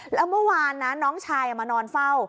แล้วเมื่อวานนะน้องชายมานอนเฝ้า